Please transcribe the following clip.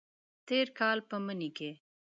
تیر کال په مني کې